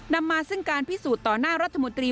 นำมาซึ่งการพิสูจน์ต่อหน้ารัฐมนตรี